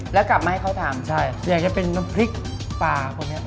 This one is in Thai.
แล้วกลับมาให้เขาทำใช่อยากจะเป็นน้ำพริกปลาพวกนี้